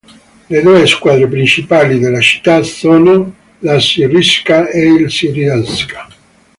Le due squadre principali della città sono l'Assyriska e il Syrianska.